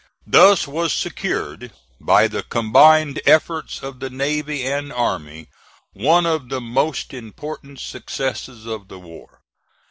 Thus was secured, by the combined efforts of the navy and army, one of the most important successes of the war.